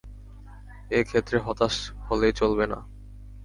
এ ক্ষেত্রে হতাশ হলে চলবে না।